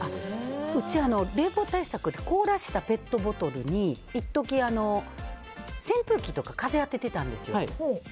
うち、冷房対策で凍らせたペットボトルに一時、扇風機とか風を当てていたんですよ。